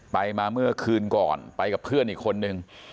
ไปมาเมื่อคืนก่อนไปกับเพื่อนอีกคนนึง